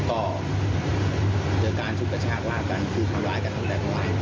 ก็เจอการชุดกับชาติราชกันคือเขาร้ายกันตั้งแต่เขาร้าย